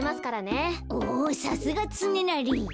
おさすがつねなり。